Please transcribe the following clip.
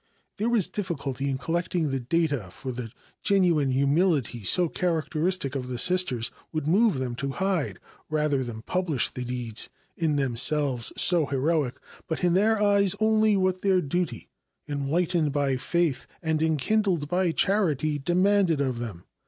There was difficulty in collecting the data for the genuine humility so characteristic of the Sisters would move them to hide, rather than publish, the deeds, in themselves so heroic, but in their eyes only what their duty, enlightened by faith and enkindled by charity, demanded of them.